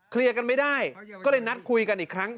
กันไม่ได้ก็เลยนัดคุยกันอีกครั้ง